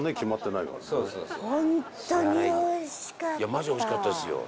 マジおいしかったですよ。